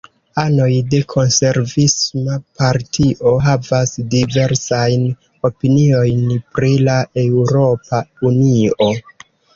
Anoj de Konservisma Partio havas diversajn opiniojn pri la Eŭropa Unio.